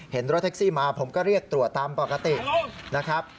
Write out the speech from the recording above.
รถแท็กซี่มาผมก็เรียกตรวจตามปกตินะครับ